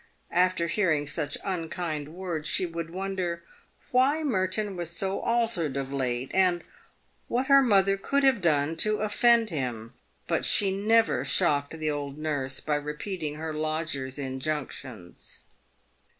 After hearing such unkind words, she would wonder " why Merton was so altered of late," and what her mother could have done to offend him; but she never shocked the old nurse by repeating her lodger's injunctions.